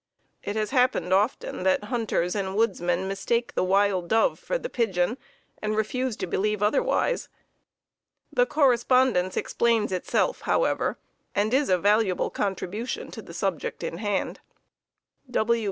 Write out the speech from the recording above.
It has happened often that hunters and woodsmen mistake the wild dove for the pigeon, and refuse to believe otherwise. The correspondence explains itself, however, and is a valuable contribution to the subject in hand.